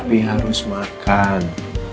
tapi harus makan